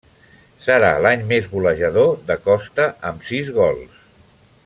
Serà l'any més golejador de Costa, amb sis gols.